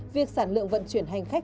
việc sản lượng vận chuyển hành khách